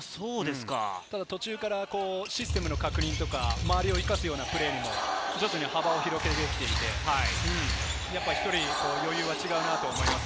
ただ途中からシステムの確認とか、周りを生かすようなプレーも、徐々に幅を広げていて、１人、余裕が違うなと思います。